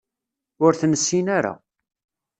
Ur t-nessin ara.